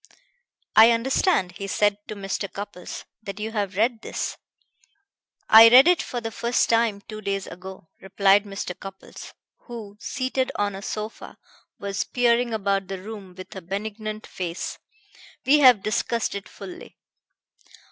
"I understand," he said to Mr. Cupples, "that you have read this." "I read it for the first time two days ago," replied Mr. Cupples, who, seated on a sofa, was peering about the room with a benignant face. "We have discussed it fully."